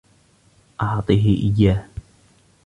أعطه إياه.